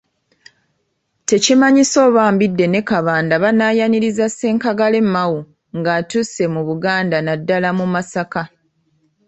Tekimanyise oba Mbidde ne Kabanda banaayaniriza Ssenkaggale Mao ng'atuuse mu Buganda naddala mu Masaka.